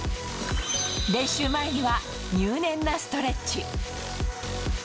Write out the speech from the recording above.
練習前には入念なストレッチ。